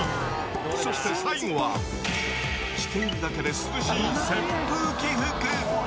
そして、最後は、着ているだけで涼しい扇風機服。